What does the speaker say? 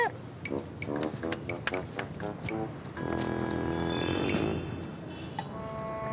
mana tuh bocah